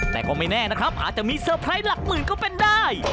แต่ก็ไม่แน่นะครับอาจจะมีเซอร์ไพรส์หลักหมื่นก็เป็นได้